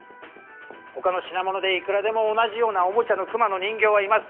ほかの品物でいくらでも同じようなおもちゃの熊の人形はいます。